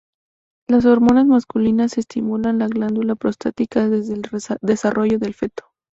Las hormonas masculinas estimulan la glándula prostática desde el desarrollo del feto.